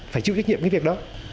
phải chịu trách nhiệm cái việc đó